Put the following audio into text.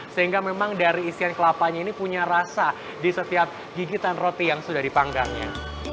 sehingga memang dari isian kelapanya ini punya rasa di setiap gigitan roti yang sudah dipanggangnya